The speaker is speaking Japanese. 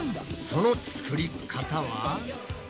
その作り方は？